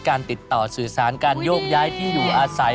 การติดต่อสื่อสารการโยกย้ายที่อยู่อาศัย